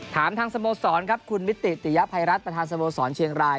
ถามทางสโมสรครับคุณมิติติยภัยรัฐประธานสโมสรเชียงราย